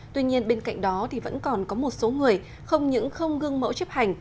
tuy nhiên bên cạnh đó thì vẫn còn có một số người không những không gương mẫu chấp hành